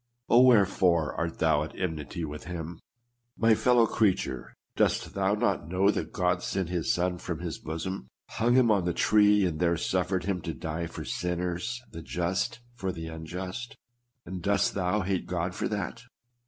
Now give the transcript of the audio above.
Oh, wherefore art thou at enmity with Mm ? My fellow creature, dost thou not know that God sent his Son from his bosom, hung him on the tree, and there suffered Mm to die for sinners, the just for the unjust? And dost thou hate God for that